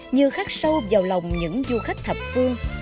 như khát sâu vào lòng những du khách thập phương